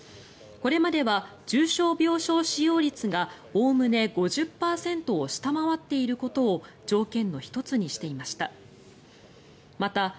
これまでは重症病床使用率がおおむね５０％を下回っていることを条件の１つにしていました。